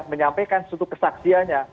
menyampaikan suatu kesaksianya